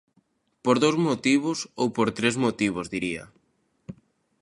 Por dous motivos, ou por tres motivos, diría.